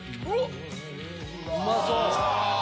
うまそう！